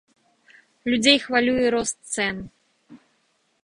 Людзей хвалюе рост цэн.